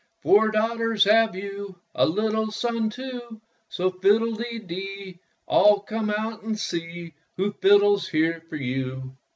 Four daughters have you, A little son, too. So fiddle de dee. All come out and see Who fiddles here for you."